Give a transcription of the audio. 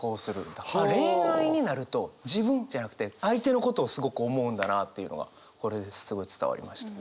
恋愛になると自分じゃなくて相手のことをすごく思うんだなというのがこれですごい伝わりました。